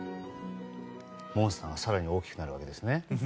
モンスターが更に大きくなるわけですね。